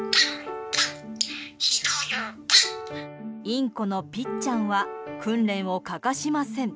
インコのぴっちゃんは訓練を欠かしません。